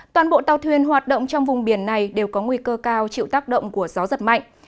toàn bộ tàu thuyền hoạt động trong vùng biển này đều có nguy cơ cao chịu tác động của gió giật mạnh